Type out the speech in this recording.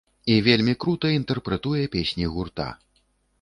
І вельмі крута інтэрпрэтуе песні гурта.